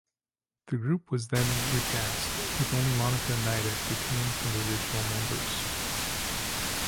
The group was then recast, with only Monika Niedek retained from the original members.